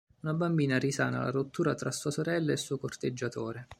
Una bambina risana la rottura tra sua sorella e il suo corteggiatore.